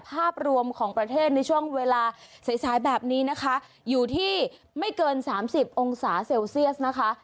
ภาพรวมของประเทศในช่วงเวลาสายสายแบบนี้นะคะอยู่ที่ไม่เกิน๓๐องศาเซลเซียสนะคะ